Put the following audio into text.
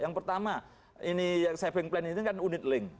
yang pertama saving plan ini kan unit link